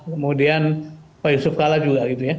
kemudian pak yusuf kalla juga gitu ya